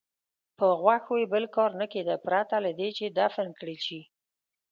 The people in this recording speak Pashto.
په غوښو یې بل کار نه کېده پرته له دې چې دفن کړل شي.